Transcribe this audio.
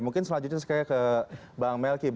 mungkin selanjutnya sekalian ke bang melky